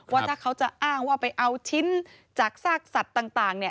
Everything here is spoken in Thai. ว่าถ้าเขาจะอ้างว่าไปเอาชิ้นจากซากสัตว์ต่าง